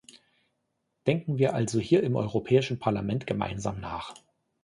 Denken wir also hier im Europäischen Parlament gemeinsam nach.